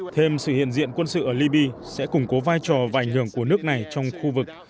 thêm sự hiện diện quân sự ở libya sẽ củng cố vai trò và ảnh hưởng của nước này trong khu vực